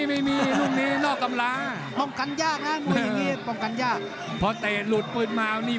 ไม่มีตำราเนี่ยลูกนี้